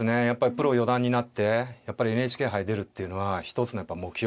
プロ四段になってやっぱりＮＨＫ杯に出るっていうのは一つの目標。